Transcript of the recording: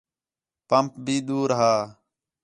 پمپ بھی دُور ہا